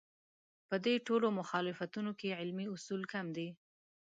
په دې ټولو مخالفتونو کې علمي اصول کم دي.